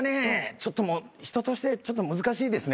ちょっともう人として難しいですね